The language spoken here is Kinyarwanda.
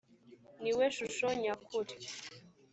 ni we shusho nyakuri